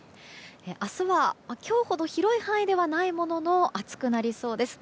明日は、今日ほど広い範囲ではないものの暑くなりそうです。